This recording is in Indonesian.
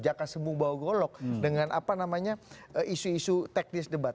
jaka sembuh bau golok dengan isu isu teknis debat